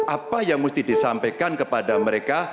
apa yang mesti disampaikan kepada mereka